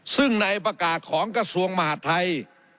ซึ่งในประกาศของกระทรวงมหาดไทย